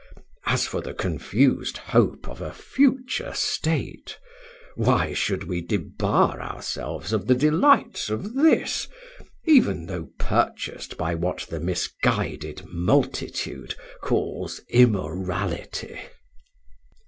As for the confused hope of a future state, why should we debar ourselves of the delights of this, even though purchased by what the misguided multitude calls immorality?"